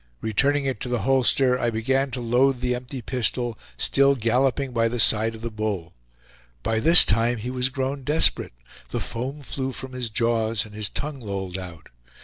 Returning it to the holster, I began to load the empty pistol, still galloping by the side of the bull. By this time he was grown desperate. The foam flew from his jaws and his tongue lolled out.